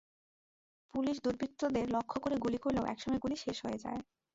Police দুর্বৃত্তদের লক্ষ্য করে গুলি করলেও একসময় গুলি শেষ হয়ে যায়।